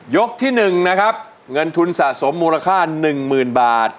ยกที่หนึ่งนะครับเงินทุนสะสมมูลค่าหนึ่งหมื่นบาท